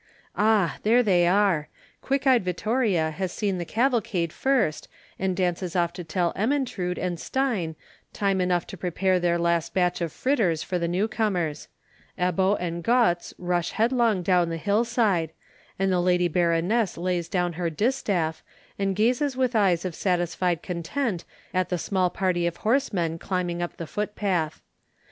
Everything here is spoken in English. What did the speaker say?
Ah! there they are. Quick eyed Vittoria has seen the cavalcade first, and dances off to tell Ermentrude and Stine time enough to prepare their last batch of fritters for the new comers; Ebbo and Götz rush headlong down the hillside; and the Lady Baroness lays down her distaff, and gazes with eyes of satisfied content at the small party of horsemen climbing up the footpath.